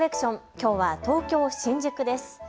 きょうは東京新宿です。